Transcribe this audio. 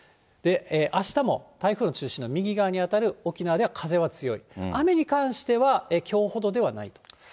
あしたも台風の中心の右側に当たる沖縄では風は強い、雨に関してはきょうほどではないと。